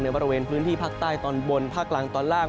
บริเวณพื้นที่ภาคใต้ตอนบนภาคกลางตอนล่าง